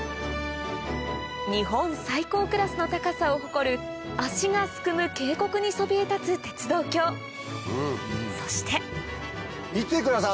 日本最高クラスの高さを誇る足がすくむ渓谷にそびえ立つ鉄道橋そして見てください